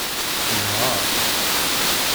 Tnehheṛ.